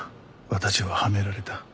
「私は嵌められた」